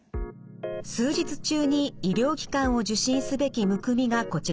数日中に医療機関を受診すべきむくみがこちらです。